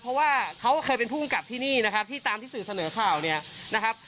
เพราะว่าเขาเคยเป็นผู้กำกับที่นี่นะครับที่ตามที่สื่อเสนอข่าวเนี่ยนะครับ